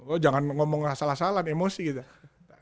oh jangan ngomong salah salah emosi gitu